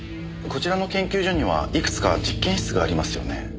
こちらの研究所にはいくつか実験室がありますよね？